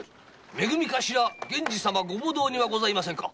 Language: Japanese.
め組頭・源次様御母堂にはございませぬか？